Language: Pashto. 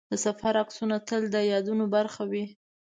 د سفر عکسونه تل د یادونو برخه وي.